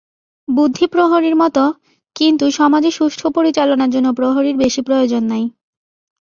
বুদ্ধি প্রহরীর মত, কিন্তু সমাজের সুষ্ঠু পরিচালনার জন্য প্রহরীর বেশী প্রয়োজন নাই।